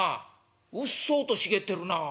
うっそうと茂ってるなあ。